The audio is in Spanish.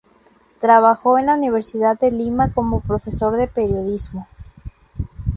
Trabajó en la Universidad de Lima como profesor de Periodismo.